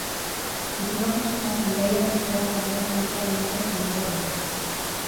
Gutuna jasota, bidaia-agentziara joan beharko dute adinekoek bidaia erosteko.